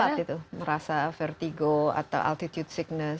sempat gitu merasa vertigo atau altitude sickness